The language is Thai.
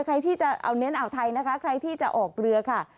ใครที่จะเอาเน้นอ่าวไทยนะคะใครที่จะออกเรือค่ะ